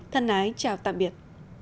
thân ái chào tạm biệt